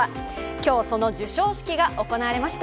今日、その授賞式が行われました。